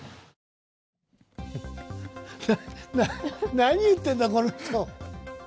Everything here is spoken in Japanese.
何言ってんだ、この人。